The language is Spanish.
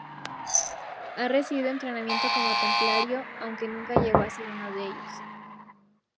Ha recibido entrenamiento como templario, aunque nunca llegó a ser uno de ellos.